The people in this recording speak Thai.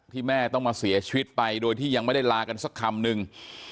แม่ต้องมาเสียชีวิตไปโดยที่ยังไม่ได้ลากันสักคำนึง